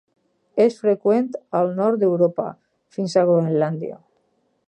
És freqüent al Nord d'Europa, fins a Groenlàndia.